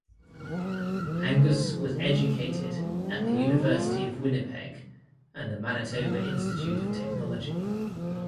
Angus was educated at the University of Winnipeg and the Manitoba Institute of Technology.